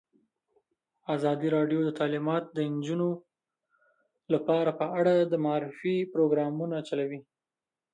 ازادي راډیو د تعلیمات د نجونو لپاره په اړه د معارفې پروګرامونه چلولي.